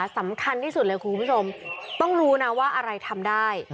สำคัญที่สุดเลยคุณผู้ชมต้องรู้นะว่าอะไรทำได้